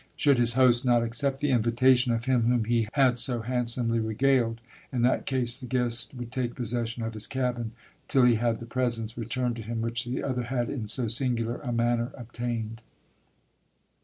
Should his host not accept the invitation of him whom he had so handsomely regaled, in that case the guest would take possession of his cabin, till he had the presents returned to him which the other had in so singular a manner obtained.